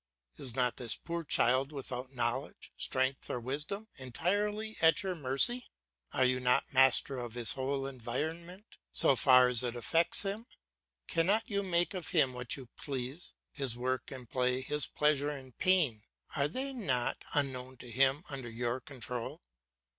Is not this poor child, without knowledge, strength, or wisdom, entirely at your mercy? Are you not master of his whole environment so far as it affects him? Cannot you make of him what you please? His work and play, his pleasure and pain, are they not, unknown to him, under your control?